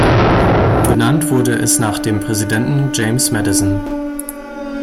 Benannt wurde es nach dem Präsidenten James Madison.